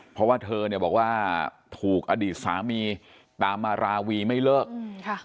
เพราะว่าเธอเนี่ยบอกว่าถูกอดีตสามีตามมาราวีไม่เลิกอืมค่ะ